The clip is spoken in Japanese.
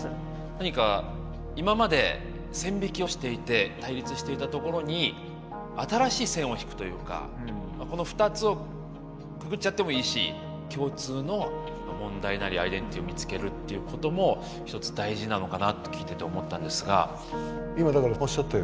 何か今まで線引きをしていて対立していたところに新しい線を引くというかこの２つをくくっちゃってもいいし共通の問題なりアイデンティティーを見つけるっていうことも一つ大事なのかなと聞いてて思ったんですが。